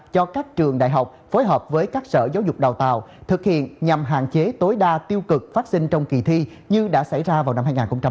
cho các trường đại học phối hợp với các sở giáo dục đào tạo thực hiện nhằm hạn chế tối đa tiêu cực phát sinh trong kỳ thi như đã xảy ra vào năm hai nghìn một mươi tám